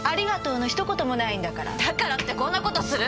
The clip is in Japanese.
だからってこんな事する？